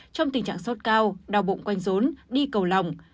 trong tình trạng sốt cao đau bụng quanh rốn đi cầu lòng